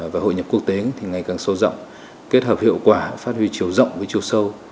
và hội nhập quốc tế thì ngày càng sâu rộng kết hợp hiệu quả phát huy chiều rộng với chiều sâu